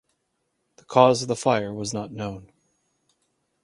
The cause of the fire was not known.